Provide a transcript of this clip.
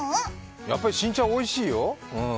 やっぱり新茶おいしいよ。